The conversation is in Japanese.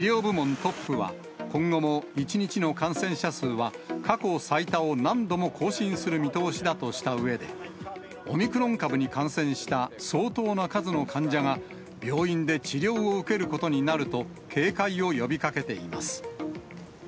政府の医療部門トップは今後も１日の感染者数は過去最多を何度も更新する見通しだとしたうえで、オミクロン株に感染した相当な数の患者が病院で治療を受けることになると警戒を呼びかけています。